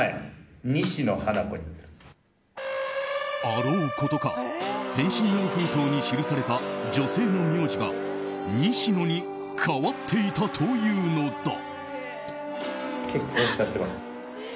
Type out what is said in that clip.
あろうことか、返信用封筒に記された女性の名字が西野に変わっていたというのだ。